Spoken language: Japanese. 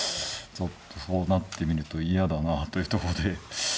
ちょっとそうなってみると嫌だなあというとこで。